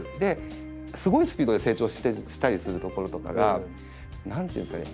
すごいスピードで成長したりするところとかが何ていうんですかね